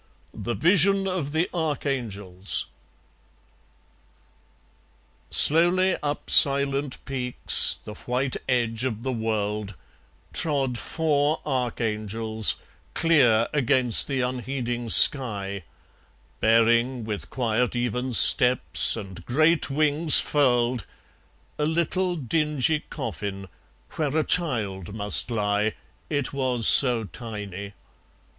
The Vision of the Archangels Slowly up silent peaks, the white edge of the world, Trod four archangels, clear against the unheeding sky, Bearing, with quiet even steps, and great wings furled, A little dingy coffin; where a child must lie, It was so tiny.